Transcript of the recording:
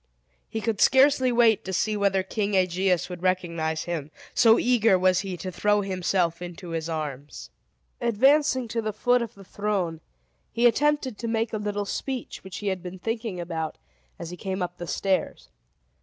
He could scarcely wait to see whether King Aegeus would recognize him, so eager was he to throw himself into his arms. Advancing to the foot of the throne, he attempted to make a little speech, which he had been thinking about, as he came up the stairs.